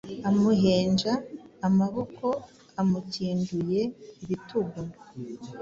Amuhenja amaboko Amukinduye ibitugu,